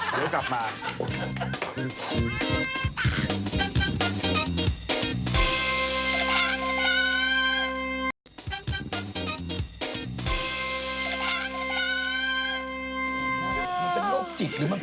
ถึงลูกจะตัวไปหรือกลับมา